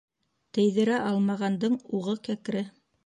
Тейҙерә алмағандың уғы кәкре.